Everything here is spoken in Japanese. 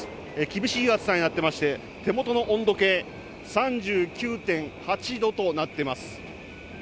厳しい暑さになってまして、手元の温度計、３９．８度となってます。